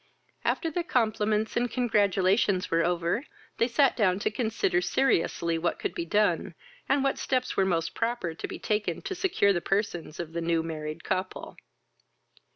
After the compliments and congratulations were over, they sat down to consider seriously what could be done, and what steps were most proper to be taken to secure the persons of the new married couple.